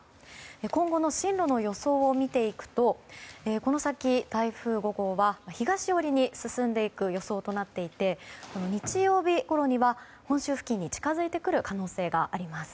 今後の進路の予想を見ていくとこの先、台風５号は東寄りに進んでいく予想で日曜日ごろには本州付近に近づいてくる可能性があります。